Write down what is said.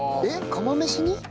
釜飯に？